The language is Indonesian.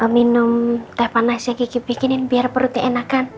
minum teh panasnya kiki bikinin biar perutnya enakan